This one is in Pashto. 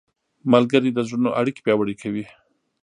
ملګري د زړونو اړیکې پیاوړې کوي.